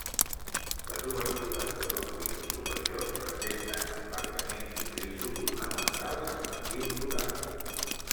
Les obertures dels dos pisos superiors presenten emmarcaments i frisos ornamentals amb motius florals.